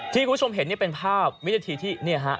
ที่คุณผู้ชมเห็นเป็นภาพวิจัยทีที่